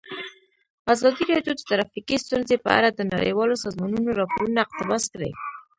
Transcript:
ازادي راډیو د ټرافیکي ستونزې په اړه د نړیوالو سازمانونو راپورونه اقتباس کړي.